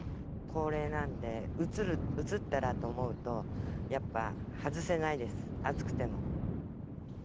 高齢なんで、うつったらと思うと、やっぱ外せないです、暑くても。